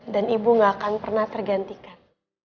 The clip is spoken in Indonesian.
dan ibu gak akan pernah tergantikan